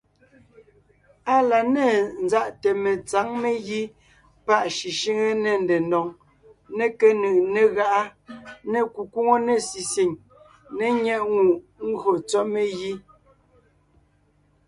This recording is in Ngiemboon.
Á la ne ńzáʼte metsǎŋ megǐ páʼ shʉshʉ́ŋe, ne ndedóŋ, ne kénʉʼ, ne gáʼa, ne kukwóŋo, ne sisìŋ ne nyɛ́ʼŋùʼ ngÿo tsɔ́ megǐ.